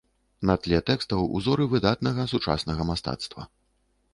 На тле тэкстаў узоры выдатнага сучаснага мастацтва.